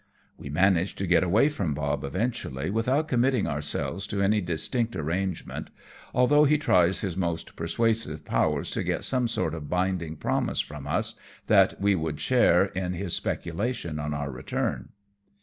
We manage to get away from Bob eventually without committing ourselves to any distinct arrange ment, although he tries his most persuasive powers to get some sort of binding promise from us that we would share in his speculation on our return.